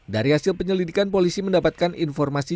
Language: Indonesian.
dari hasil penyelidikan polisi mendapatkan informasi